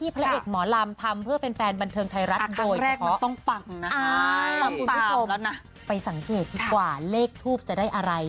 ไปสังเกตี๊กว่าเลขทูบจะได้อะไร